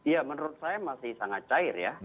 ya menurut saya masih sangat cair ya